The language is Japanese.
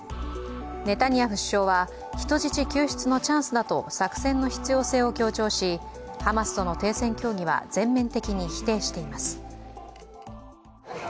ネタニヤフ首相は人質救出のチャンスだと作戦の必要性を強調し、ハマスとの停戦協議は全面的に否定しています